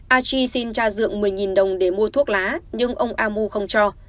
a chi xin cha dượng một mươi đồng để mua thuốc lá nhưng ông amu không cho